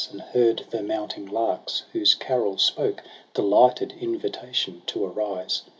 And heard the mounting larks, whose carol spoke Delighted invitation to arise.